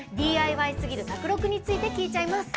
ＤＩＹすぎる宅録について聞いちゃいます。